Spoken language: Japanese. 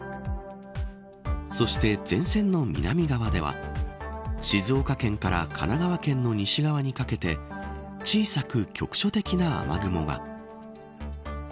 そして、前線の南側では静岡県から神奈川県の西側にかけて小さく局所的な雨雲が。